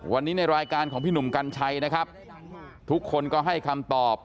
วันนี้ในรายการของพี่หนุ่มกัญชัยนะครับทุกคนก็ให้คำตอบ